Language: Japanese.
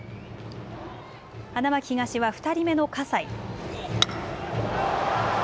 花巻東は２人目の葛西。